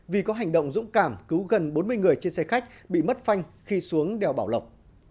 vì có hành động dũng cảm cứu gần bốn mươi người trên xe khách bị mất phanh khi xuống đèo bảo lộc